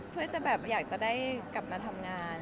เพื่อจะแบบอยากจะได้กลับมาทำงาน